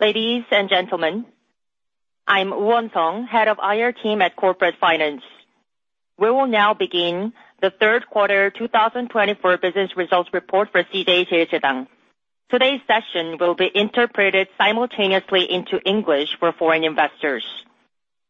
Ladies and gentlemen, I'm Yu Won-sung, Head of IR Team at Corporate Finance. We will now begin the third quarter 2024 business results report for CJ Cheiljedang. Today's session will be interpreted simultaneously into English for foreign investors.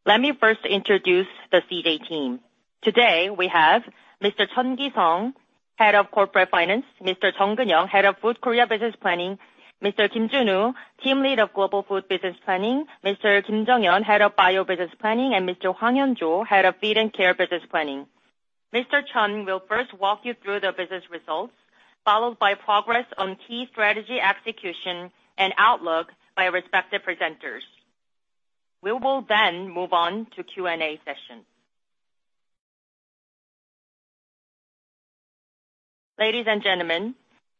Let me first introduce the CJ team. Today we have Mr. Chun Gi-sung, Head of Corporate Finance, Mr. Chung Geun-young, Head of Food Korea Business Planning, Mr. Kim Jun-woo, Team Lead of Global Food Business Planning, Mr. Kim Jeong-yeon, Head of Bio Business Planning, and Mr. Hwang Hyun-joo, Head of Feed and Care Business Planning. Mr. Chun will first walk you through the business results, followed by progress on key strategy execution and outlook by respective presenters. We will then move on to Q&A session. Ladies and gentlemen,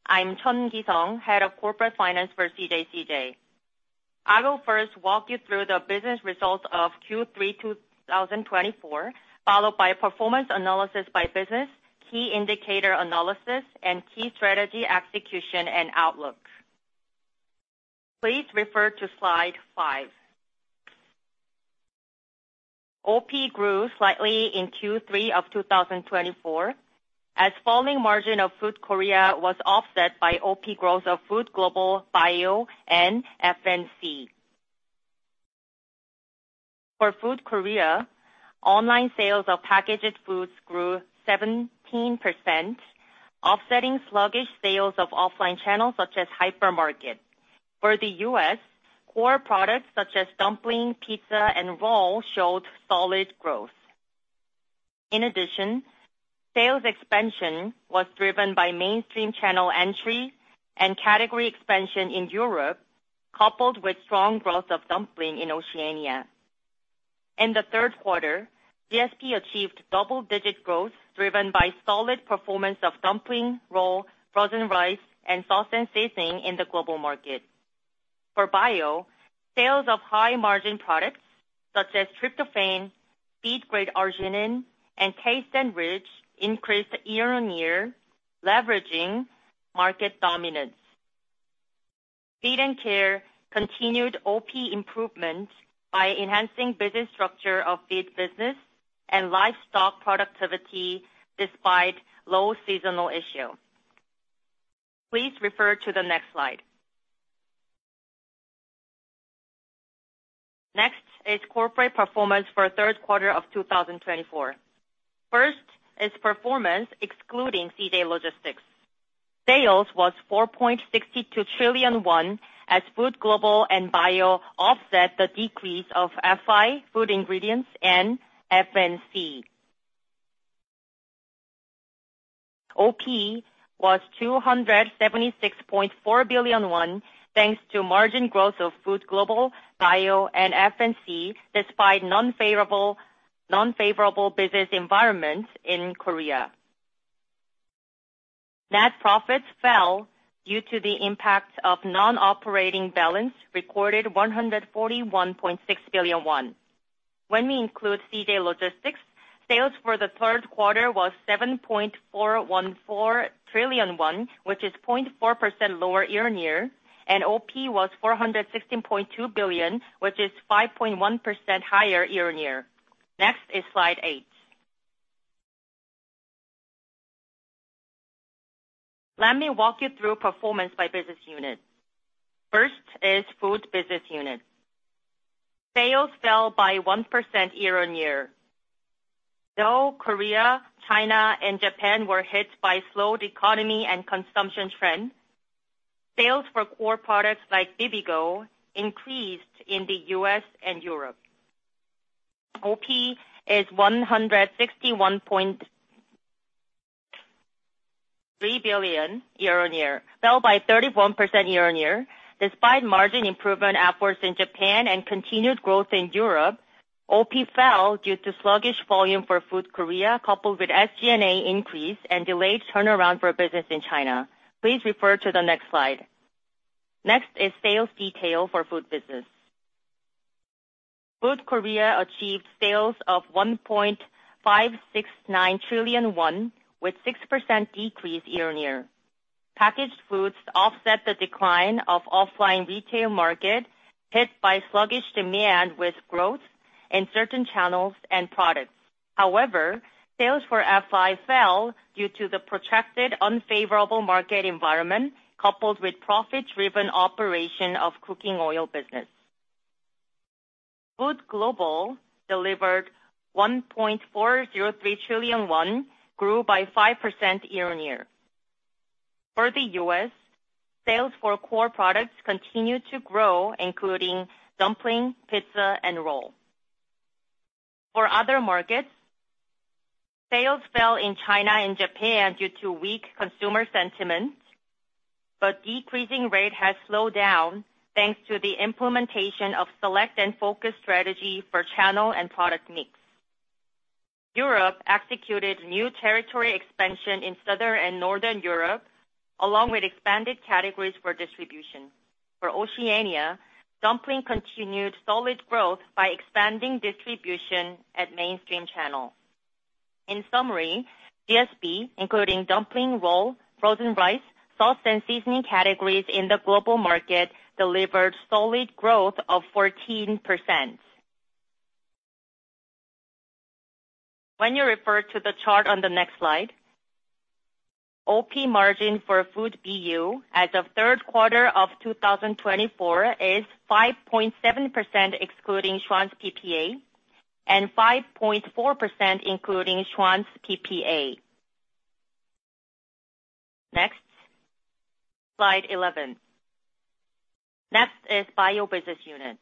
I'm Chun Gi-sung, Head of Corporate Finance for CJCJ. I will first walk you through the business results of Q3 2024, followed by performance analysis by business, key indicator analysis, and key strategy execution and outlook. Please refer to slide five. OP grew slightly in Q3 of 2024 as falling margin of Food Korea was offset by OP growth of Food Global Bio and F&C. For Food Korea, online sales of packaged foods grew 17%, offsetting sluggish sales of offline channels such as hypermarket. For the U.S., core products such as dumpling, pizza, and roll showed solid growth. In addition, sales expansion was driven by mainstream channel entry and category expansion in Europe, coupled with strong growth of dumpling in Oceania. In the third quarter, GSP achieved double-digit growth driven by solid performance of dumpling, roll, frozen rice, and sausage seasoning in the global market. For Bio, sales of high-margin products such as tryptophan, feed-grade arginine, and TasteNrich increased year on year, leveraging market dominance. Feed and Care continued OP improvement by enhancing business structure of feed business and livestock productivity despite low seasonal issue. Please refer to the next slide. Next is corporate performance for third quarter of 2024. First is performance excluding CJ Logistics. Sales was 4.62 trillion won as Food Global and Bio offset the decrease of FI, food ingredients, and F&C. OP was 276.4 billion won thanks to margin growth of Food Global, Bio, and F&C despite non-favorable business environments in Korea. Net profits fell due to the impact of non-operating balance recorded 141.6 billion won. When we include CJ Logistics, sales for the third quarter was 7.414 trillion won, which is 0.4% lower year on year, and OP was 416.2 billion KRW, which is 5.1% higher year on year. Next is slide eight. Let me walk you through performance by business unit. First is food business unit. Sales fell by 1% year on year. Though Korea, China, and Japan were hit by slowed economy and consumption trend, sales for core products like Bibigo increased in the U.S. and Europe. OP is 161.3 billion year on year, fell by 31% year on year. Despite margin improvement efforts in Japan and continued growth in Europe, OP fell due to sluggish volume for Food Korea, coupled with SG&A increase and delayed turnaround for business in China. Please refer to the next slide. Next is sales detail for food business. Food Korea achieved sales of 1.569 trillion won, with 6% decrease year on year. Packaged foods offset the decline of offline retail market hit by sluggish demand with growth in certain channels and products. However, sales for FI fell due to the protracted unfavorable market environment, coupled with profit-driven operation of cooking oil business. Food Global delivered 1.403 trillion won, grew by 5% year on year. For the US, sales for core products continued to grow, including dumpling, pizza, and roll. For other markets, sales fell in China and Japan due to weak consumer sentiment, but decreasing rate has slowed down thanks to the implementation of select and focused strategy for channel and product mix. Europe executed new territory expansion in southern and northern Europe, along with expanded categories for distribution. For Oceania, dumpling continued solid growth by expanding distribution at mainstream channel. In summary, GSP, including dumpling, roll, frozen rice, sauce, and seasoning categories in the global market, delivered solid growth of 14%. When you refer to the chart on the next slide, OP margin for Food BU as of third quarter of 2024 is 5.7% excluding Schwan's PPA and 5.4% including Schwan's PPA. Next, slide 11. Next is bio business unit.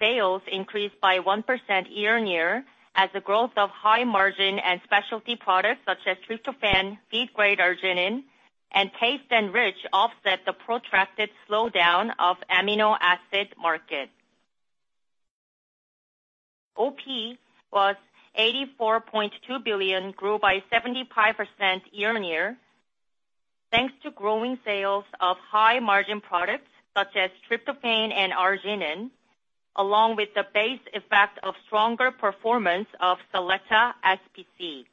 Sales increased by 1% year on year as the growth of high margin and specialty products such as tryptophan, feed-grade arginine, and TasteNrich offset the protracted slowdown of amino acid market. OP was 84.2 billion, grew by 75% year on year thanks to growing sales of high margin products such as tryptophan and arginine, along with the base effect of stronger performance of Selecta SPC.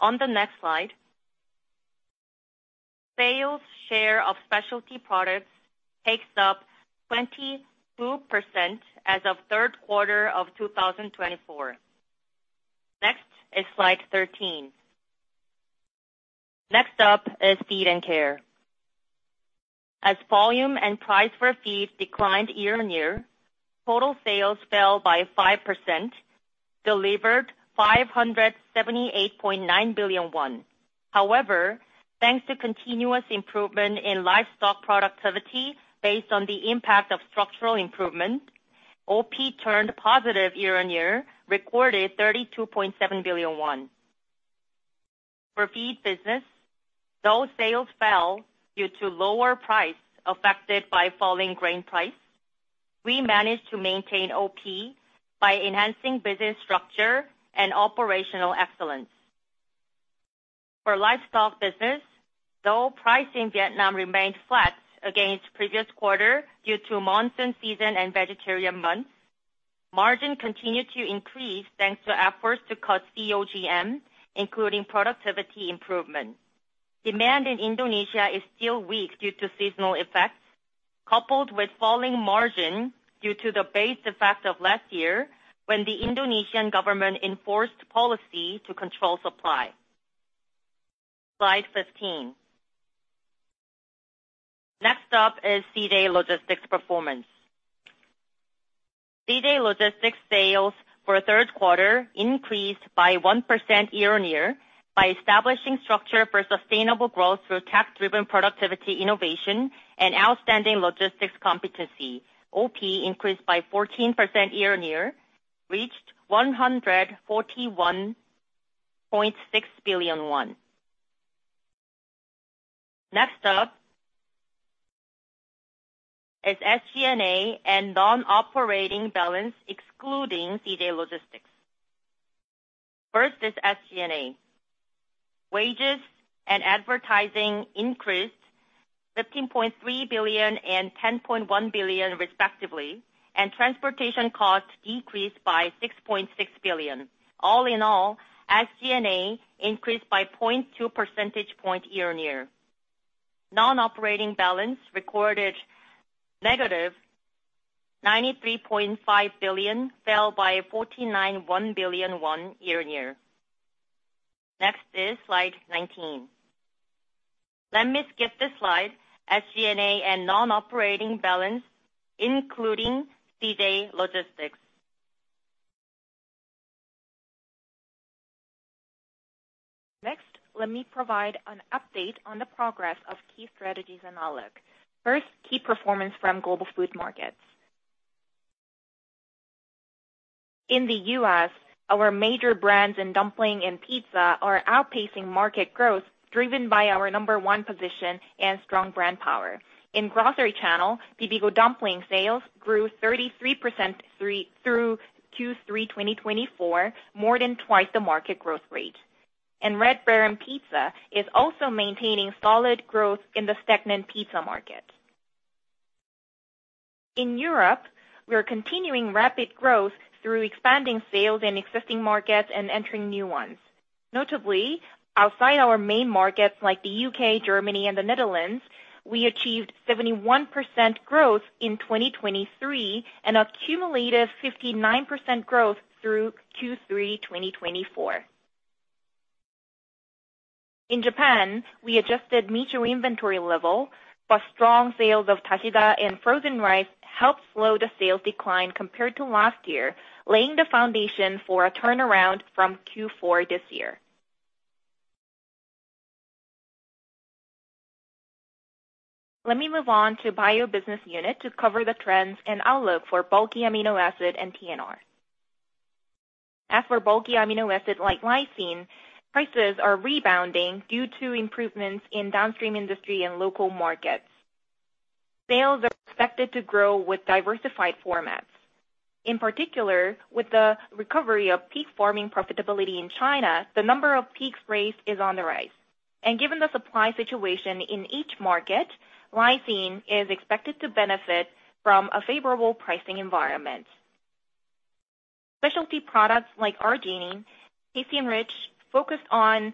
On the next slide, sales share of specialty products takes up 22% as of third quarter of 2024. Next is slide 13. Next up is Feed and Care. As volume and price for feed declined year on year, total sales fell by 5%, delivered 578.9 billion won. However, thanks to continuous improvement in livestock productivity based on the impact of structural improvement, OP turned positive year on year, recorded 32.7 billion won. For feed business, though sales fell due to lower price affected by falling grain price, we managed to maintain OP by enhancing business structure and operational excellence. For livestock business, though price in Vietnam remained flat against previous quarter due to monsoon season and vegetarian months, margin continued to increase thanks to efforts to cut COGM, including productivity improvement. Demand in Indonesia is still weak due to seasonal effects, coupled with falling margin due to the base effect of last year when the Indonesian government enforced policy to control supply. Slide 15. Next up is CJ Logistics performance. CJ Logistics sales for third quarter increased by 1% year on year by establishing structure for sustainable growth through tech-driven productivity innovation and outstanding logistics competency. OP increased by 14% year on year, reached 141.6 billion won. Next up is SG&A and non-operating balance excluding CJ Logistics. First is SG&A. Wages and advertising increased 15.3 billion and 10.1 billion respectively, and transportation costs decreased by 6.6 billion. All in all, SG&A increased by 0.2 percentage points year on year. Non-operating balance recorded negative 93.5 billion, fell by 49.1 billion year on year. Next is slide 19. Let me skip this slide. SG&A and non-operating balance including CJ Logistics. Next, let me provide an update on the progress of key strategies and outlook. First, key performance from global food markets. In the U.S., our major brands in dumpling and pizza are outpacing market growth driven by our number one position and strong brand power. In grocery channel, Bibigo dumpling sales grew 33% through Q3 2024, more than twice the market growth rate, and Red Baron Pizza is also maintaining solid growth in the stagnant pizza market. In Europe, we are continuing rapid growth through expanding sales in existing markets and entering new ones. Notably, outside our main markets like the U.K., Germany, and the Netherlands, we achieved 71% growth in 2023 and accumulated 59% growth through Q3 2024. In Japan, we adjusted mutual inventory level, but strong sales of Dasida and frozen rice helped slow the sales decline compared to last year, laying the foundation for a turnaround from Q4 this year. Let me move on to bio business unit to cover the trends and outlook for bulk amino acid and TNR. As for bulk amino acid like lysine, prices are rebounding due to improvements in downstream industry and local markets. Sales are expected to grow with diversified formats. In particular, with the recovery of pig farming profitability in China, the number of pigs raised is on the rise, and given the supply situation in each market, lysine is expected to benefit from a favorable pricing environment. Specialty products like arginine and TasteNrich focused on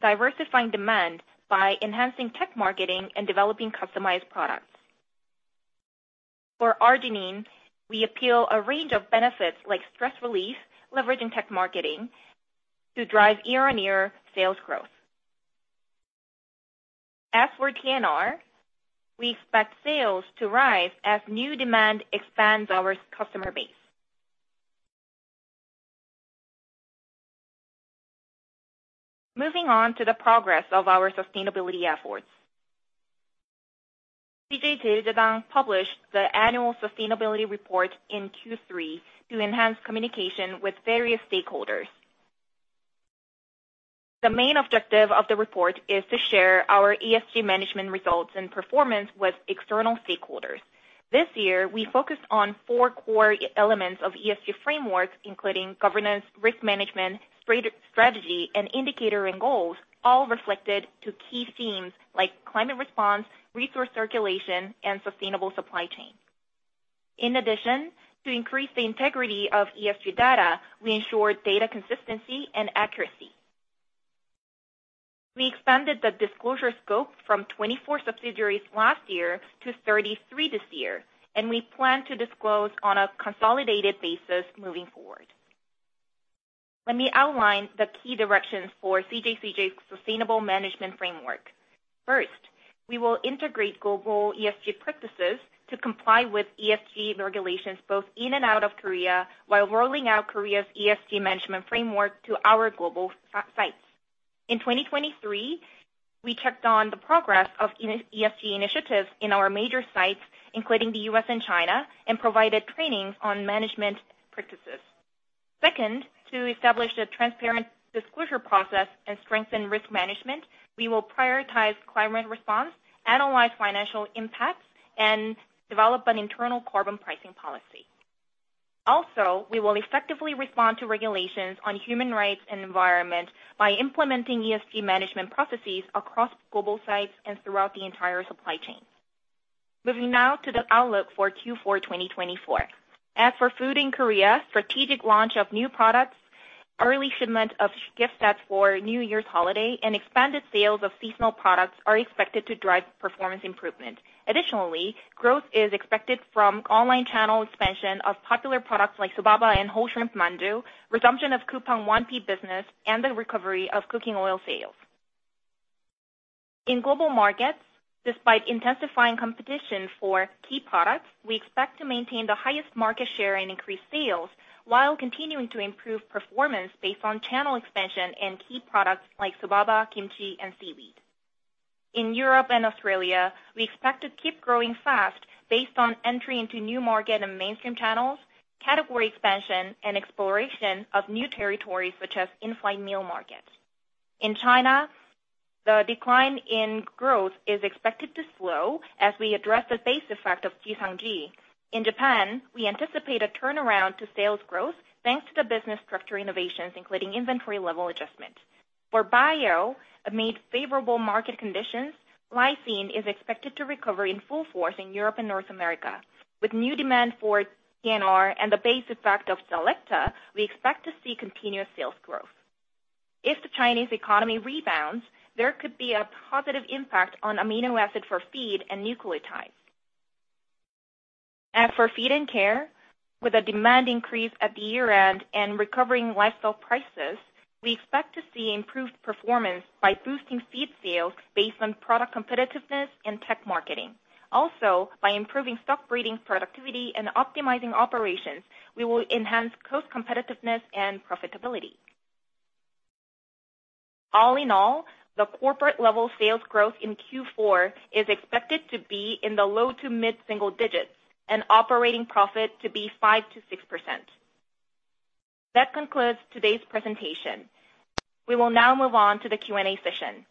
diversifying demand by enhancing tech marketing and developing customized products. For arginine, we appeal a range of benefits like stress relief, leveraging tech marketing to drive year-on-year sales growth. As for TNR, we expect sales to rise as new demand expands our customer base. Moving on to the progress of our sustainability efforts. CJ Cheiljedang published the annual sustainability report in Q3 to enhance communication with various stakeholders. The main objective of the report is to share our ESG management results and performance with external stakeholders. This year, we focused on four core elements of ESG framework, including governance, risk management, strategy, and indicator and goals, all reflected to key themes like climate response, resource circulation, and sustainable supply chain. In addition, to increase the integrity of ESG data, we ensured data consistency and accuracy. We expanded the disclosure scope from 24 subsidiaries last year to 33 this year, and we plan to disclose on a consolidated basis moving forward. Let me outline the key directions for CJCJ's sustainable management framework. First, we will integrate global ESG practices to comply with ESG regulations both in and out of Korea while rolling out Korea's ESG management framework to our global sites. In 2023, we checked on the progress of ESG initiatives in our major sites, including the US and China, and provided trainings on management practices. Second, to establish a transparent disclosure process and strengthen risk management, we will prioritize climate response, analyze financial impacts, and develop an internal carbon pricing policy. Also, we will effectively respond to regulations on human rights and environment by implementing ESG management processes across global sites and throughout the entire supply chain. Moving now to the outlook for Q4 2024. As for food in Korea, strategic launch of new products, early shipment of gift sets for New Year's holiday, and expanded sales of seasonal products are expected to drive performance improvement. Additionally, growth is expected from online channel expansion of popular products like Sobaba and whole shrimp mandu, resumption of Coupang 1P business, and the recovery of cooking oil sales. In global markets, despite intensifying competition for key products, we expect to maintain the highest market share and increase sales while continuing to improve performance based on channel expansion and key products like Sobaba, kimchi, and seaweed. In Europe and Australia, we expect to keep growing fast based on entry into new market and mainstream channels, category expansion, and exploration of new territories such as in-flight meal markets. In China, the decline in growth is expected to slow as we address the base effect of Jixiangju. In Japan, we anticipate a turnaround to sales growth thanks to the business structure innovations, including inventory level adjustment. For bio, amid favorable market conditions, Lysine is expected to recover in full force in Europe and North America. With new demand for TNR and the base effect of Selecta, we expect to see continuous sales growth. If the Chinese economy rebounds, there could be a positive impact on amino acid for feed and nucleotides. As for feed and care, with a demand increase at the year-end and recovering livestock prices, we expect to see improved performance by boosting feed sales based on product competitiveness and tech marketing. Also, by improving stock breeding productivity and optimizing operations, we will enhance cost competitiveness and profitability. All in all, the corporate-level sales growth in Q4 is expected to be in the low to mid-single digits and operating profit to be 5%-6%. That concludes today's presentation. We will now move on to the Q&A session.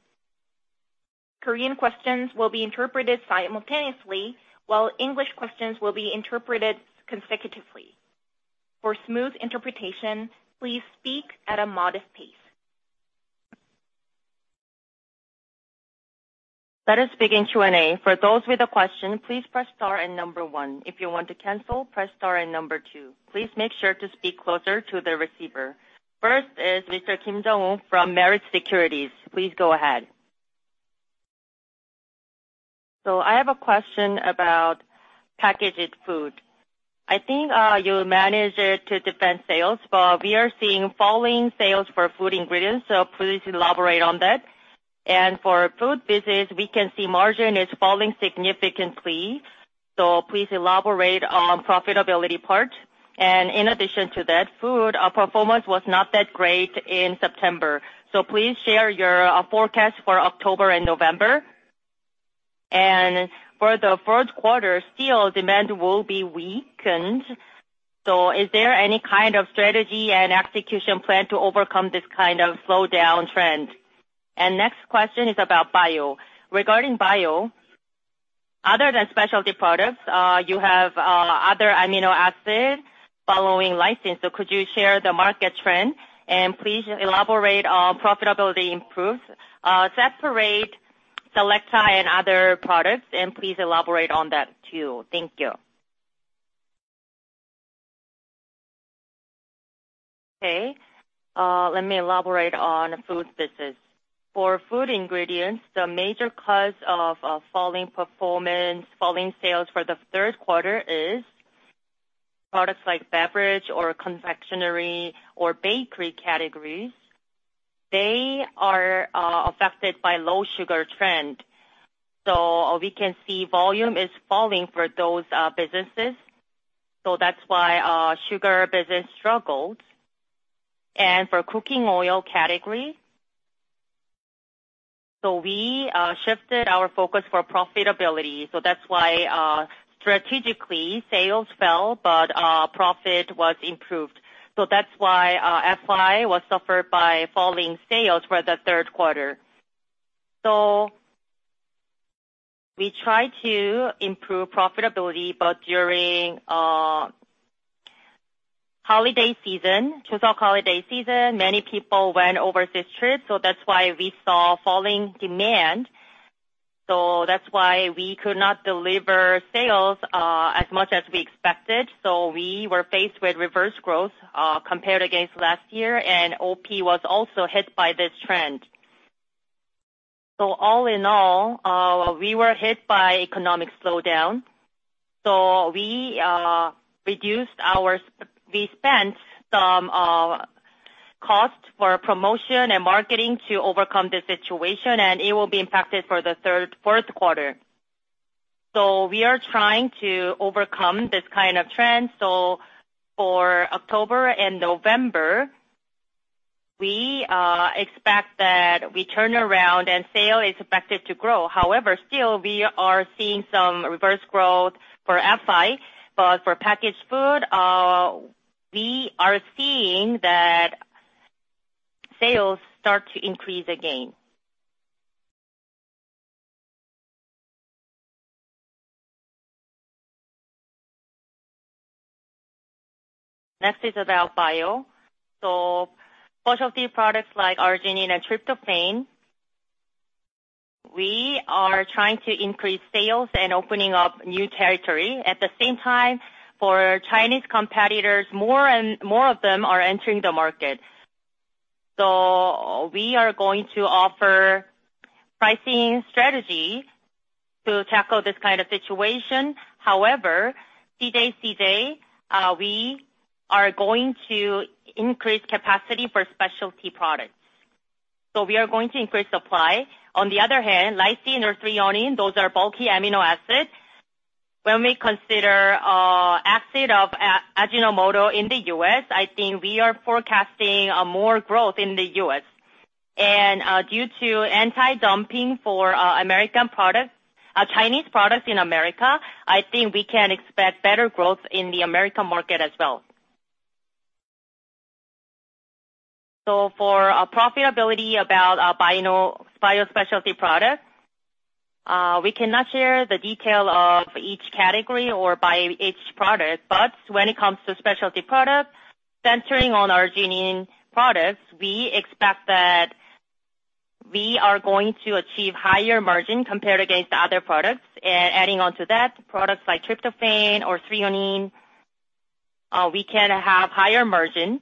Korean questions will be interpreted simultaneously, while English questions will be interpreted consecutively. For smooth interpretation, please speak at a modest pace. Let us begin Q&A. For those with a question, please press star and number one. If you want to cancel, press star and number two. Please make sure to speak closer to the receiver. First is Mr. Kim Jung-wook from Meritz Securities. Please go ahead. So I have a question about packaged food. I think you managed it to defend sales, but we are seeing falling sales for food ingredients, so please elaborate on that. And for food business, we can see margin is falling significantly, so please elaborate on profitability part. And in addition to that, food performance was not that great in September. So please share your forecast for October and November. And for the third quarter, still demand will be weakened. So is there any kind of strategy and execution plan to overcome this kind of slowdown trend? And next question is about bio. Regarding bio, other than specialty products, you have other amino acids following lysine, so could you share the market trend? And please elaborate on profitability improvement. Separate Selecta and other products, and please elaborate on that too. Thank you. Okay. Let me elaborate on food business. For food ingredients, the major cause of falling performance, falling sales for the third quarter is products like beverage or confectionery or bakery categories. They are affected by low sugar trend. So we can see volume is falling for those businesses. So that's why sugar business struggles. And for cooking oil category, so we shifted our focus for profitability. So that's why strategically sales fell, but profit was improved. So that's why FI was suffered by falling sales for the third quarter. So we tried to improve profitability, but during holiday season, Chuseok holiday season, many people went overseas trips. That's why we saw falling demand. That's why we could not deliver sales as much as we expected. We were faced with reverse growth compared against last year, and OP was also hit by this trend. All in all, we were hit by economic slowdown. We reduced our spend, we spent some cost for promotion and marketing to overcome this situation, and it will be impacted for the third, fourth quarter. We are trying to overcome this kind of trend. For October and November, we expect that we turn around and sale is expected to grow. However, still, we are seeing some reverse growth for F&B, but for packaged food, we are seeing that sales start to increase again. Next is about bio. Specialty products like Arginine and Tryptophan, we are trying to increase sales and opening up new territory. At the same time, for Chinese competitors, more and more of them are entering the market. So we are going to offer pricing strategy to tackle this kind of situation. However, CJ Cheiljedang, we are going to increase capacity for specialty products. So we are going to increase supply. On the other hand, lysine or threonine, those are bulky amino acids. When we consider acids of Ajinomoto in the U.S., I think we are forecasting more growth in the U.S. And due to anti-dumping for American products, Chinese products in America, I think we can expect better growth in the American market as well. So for profitability about bio specialty products, we cannot share the detail of each category or by each product, but when it comes to specialty products, centering on arginine products, we expect that we are going to achieve higher margin compared against other products. And adding on to that, products like tryptophan or threonine, we can have higher margin.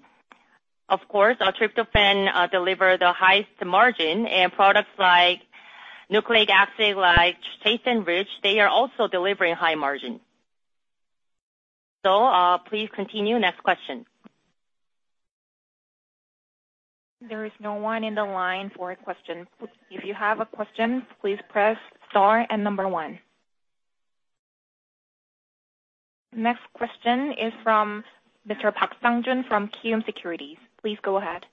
Of course, tryptophan delivers the highest margin, and products like nucleic acid like TasteNrich, they are also delivering high margin. So please continue. Next question. There is no one in the line for a question. If you have a question, please press star and number one. Next question is from Mr. Park Sang-jun from Kiwoom Securities. Please go ahead.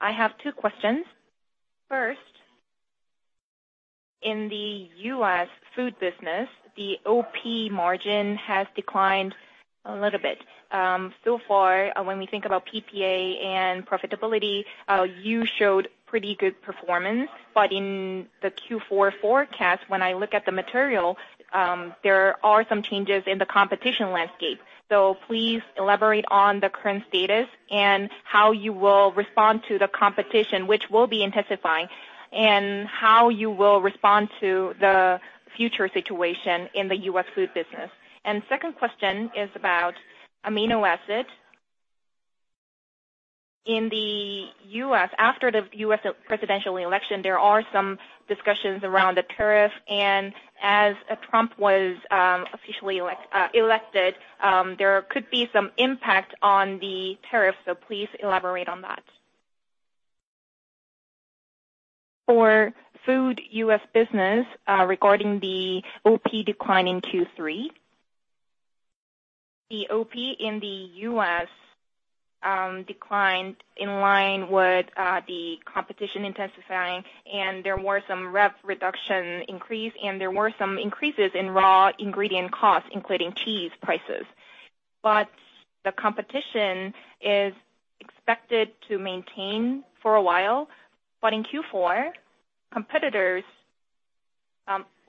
I have two questions. First, in the U.S. food business, the OP margin has declined a little bit. So far, when we think about PPA and profitability, you showed pretty good performance, but in the Q4 forecast, when I look at the material, there are some changes in the competition landscape. So please elaborate on the current status and how you will respond to the competition, which will be intensifying, and how you will respond to the future situation in the U.S. food business. And second question is about amino acid. In the U.S., after the U.S. presidential election, there are some discussions around the tariff, and as Trump was officially elected, there could be some impact on the tariff. So please elaborate on that. For food U.S. business, regarding the OP declining Q3, the OP in the U.S. declined in line with the competition intensifying, and there were some reduction increase, and there were some increases in raw ingredient costs, including cheese prices. But the competition is expected to maintain for a while, but in Q4, competitors,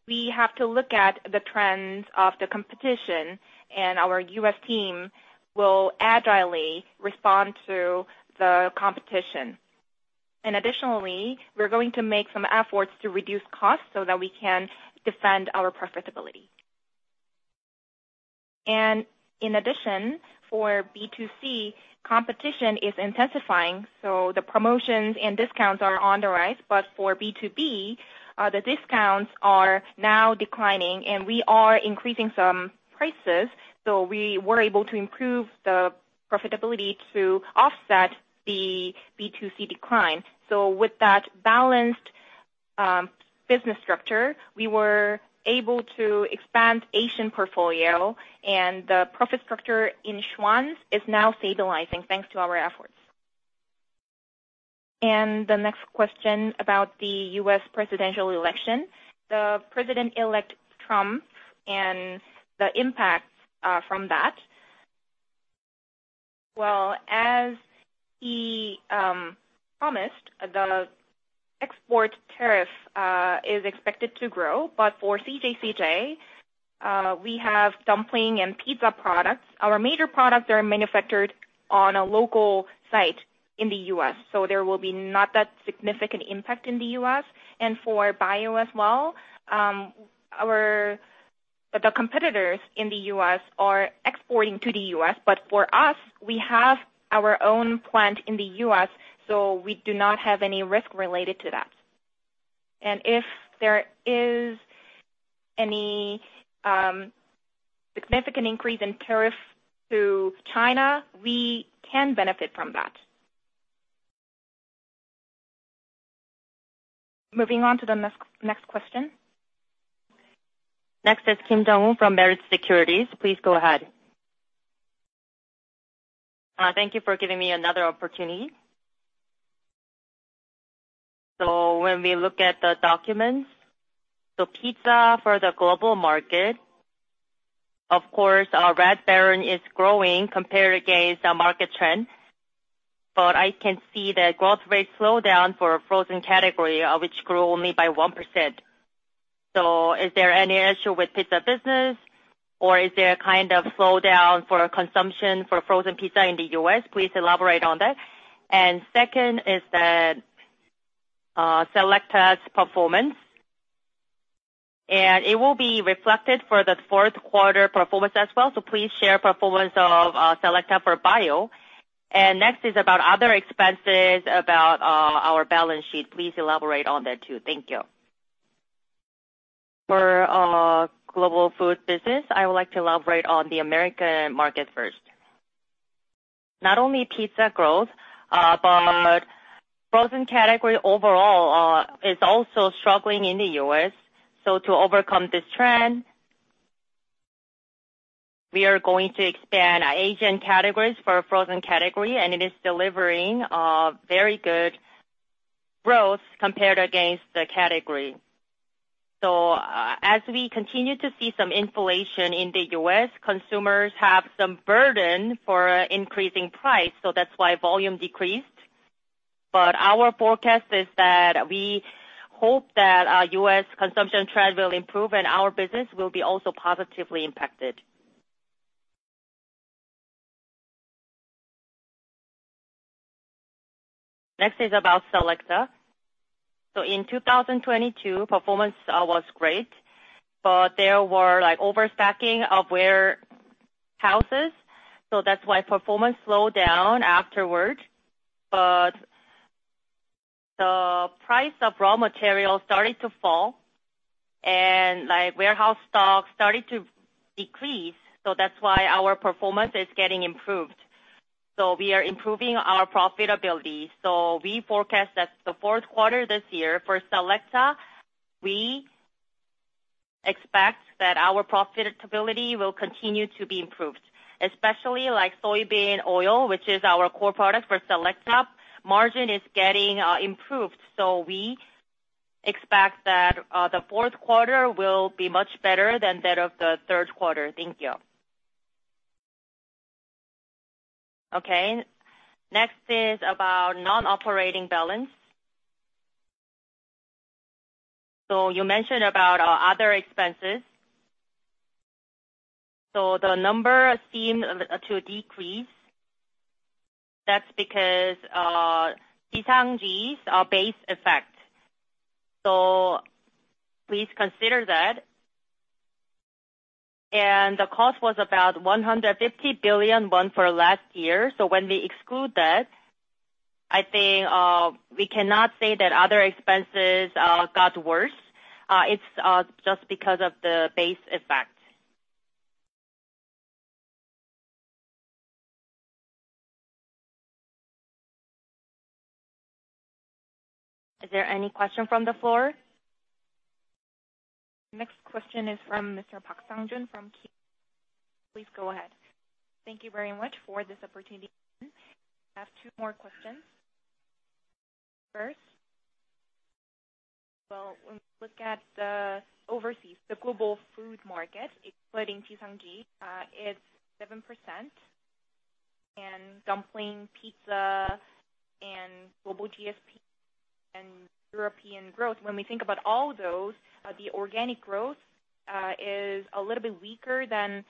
we have to look at the trends of the competition, and our U.S. team will agilely respond to the competition. Additionally, we're going to make some efforts to reduce costs so that we can defend our profitability. In addition, for B2C, competition is intensifying, so the promotions and discounts are on the rise, but for B2B, the discounts are now declining, and we are increasing some prices. We were able to improve the profitability to offset the B2C decline. With that balanced business structure, we were able to expand Asian portfolio, and the profit structure in Schwan's is now stabilizing thanks to our efforts. The next question about the U.S. presidential election, the president-elect Trump and the impact from that. As he promised, the export tariff is expected to grow, but for CJ Cheiljedang, we have dumpling and pizza products. Our major products are manufactured on a local site in the U.S., so there will be not that significant impact in the U.S. For bio as well, the competitors in the US are exporting to the US, but for us, we have our own plant in the US, so we do not have any risk related to that. If there is any significant increase in tariffs to China, we can benefit from that. Moving on to the next question. Next is Kim Jong-woo from Meritz Securities. Please go ahead. Thank you for giving me another opportunity. So when we look at the documents, the pizza for the global market, of course, Red Baron is growing compared against the market trend, but I can see the growth rate slowdown for frozen category, which grew only by 1%. So is there any issue with pizza business, or is there a kind of slowdown for consumption for frozen pizza in the US? Please elaborate on that. And second is that Selecta's performance, and it will be reflected for the fourth quarter performance as well. So please share performance of Selecta for bio. And next is about other expenses about our balance sheet. Please elaborate on that too. Thank you. For global food business, I would like to elaborate on the American market first. Not only pizza growth, but frozen category overall is also struggling in the U.S. So to overcome this trend, we are going to expand Asian categories for frozen category, and it is delivering very good growth compared against the category. So as we continue to see some inflation in the U.S., consumers have some burden for increasing price, so that's why volume decreased. But our forecast is that we hope that U.S. consumption trend will improve, and our business will be also positively impacted. Next is about Selecta. In 2022, performance was great, but there were overstocking of warehouses, so that's why performance slowed down afterward. The price of raw materials started to fall, and warehouse stock started to decrease, so that's why our performance is getting improved. We are improving our profitability. We forecast that the fourth quarter this year for Selecta, we expect that our profitability will continue to be improved, especially like soybean oil, which is our core product for Selecta. Margin is getting improved, so we expect that the fourth quarter will be much better than that of the third quarter. Thank you. Okay. Next is about non-operating balance. You mentioned about other expenses. The number seemed to decrease. That's because GSE Jixiangju base effect. Please consider that. The cost was about 150 billion won for last year. So when we exclude that, I think we cannot say that other expenses got worse. It's just because of the base effect. Is there any question from the floor? Next question is from Mr. Park Sang-jun from Kiwoom. Please go ahead. Thank you very much for this opportunity. I have two more questions. First, well, when we look at the overseas, the global food market, including GSP, it's 7%. And dumpling, pizza, and global GSP, and European growth, when we think about all those, the organic growth is a little bit weaker than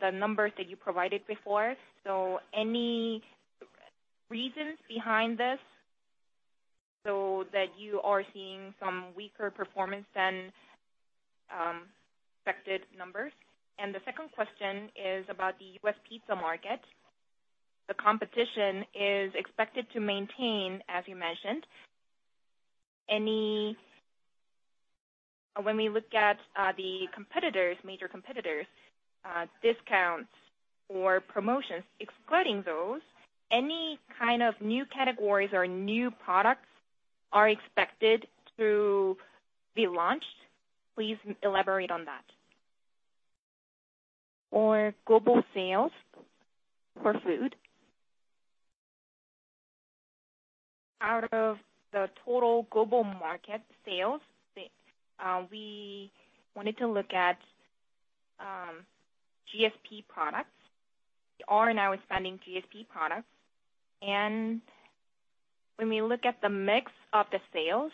the numbers that you provided before. So any reasons behind this so that you are seeing some weaker performance than expected numbers? And the second question is about the U.S. pizza market. The competition is expected to maintain, as you mentioned. When we look at the major competitors, discounts or promotions, excluding those, any kind of new categories or new products are expected to be launched? Please elaborate on that. For global sales for food, out of the total global market sales, we wanted to look at GSP products. We are now expanding GSP products. And when we look at the mix of the sales,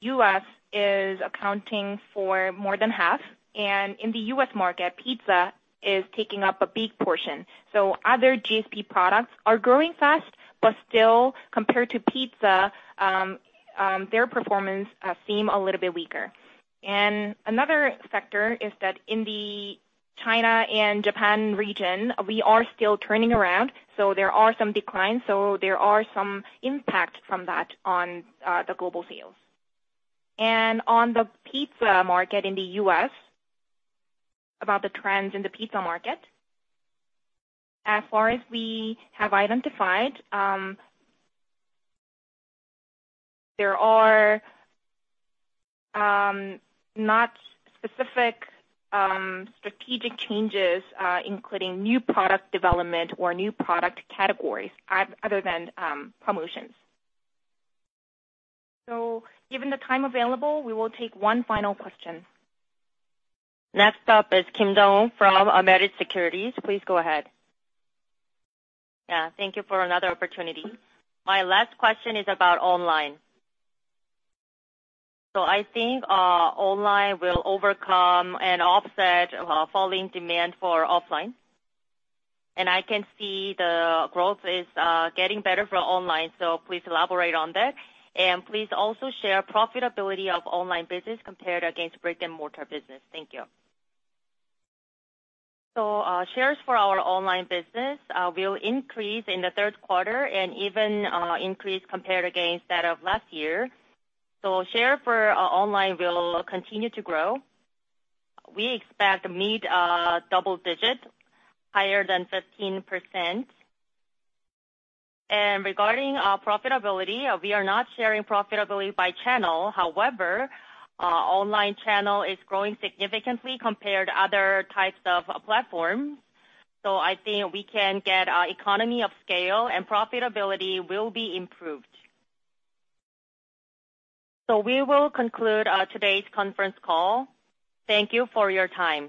U.S. is accounting for more than half, and in the U.S. market, pizza is taking up a big portion. So other GSP products are growing fast, but still, compared to pizza, their performance seems a little bit weaker. And another factor is that in the China and Japan region, we are still turning around, so there are some declines, so there are some impacts from that on the global sales. And on the pizza market in the U.S., about the trends in the pizza market, as far as we have identified, there are not specific strategic changes, including new product development or new product categories other than promotions. So given the time available, we will take one final question. Next up is Kim Jong-woo from Meritz Securities. Please go ahead. Yeah. Thank you for another opportunity. My last question is about online. So I think online will overcome and offset falling demand for offline. And I can see the growth is getting better for online, so please elaborate on that. And please also share profitability of online business compared against brick-and-mortar business. Thank you. So shares for our online business will increase in the third quarter and even increase compared against that of last year. So share for online will continue to grow. We expect to meet double digits, higher than 15%. And regarding profitability, we are not sharing profitability by channel. However, online channel is growing significantly compared to other types of platforms. So I think we can get economy of scale, and profitability will be improved. So we will conclude today's conference call. Thank you for your time.